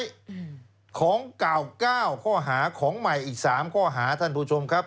จัดการเรียบร้อยของเก่า๙ข้อหาของใหม่อีก๓ข้อหาท่านผู้ชมครับ